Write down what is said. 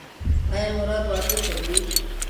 ایا مراد واده کوي؟